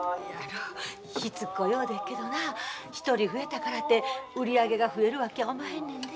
ひつこいようでっけどな１人増えたからて売り上げが増えるわけやおまへんねんで。